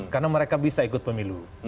karena mereka bisa ikut pemilu